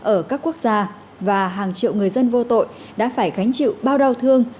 ở các quốc gia và hàng triệu người dân vô tội đã phải gánh chịu bao đau thương